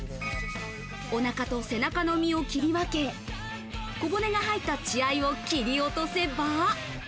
お腹と背中の身を切り分け、小骨が入った血合いを切り落とせば。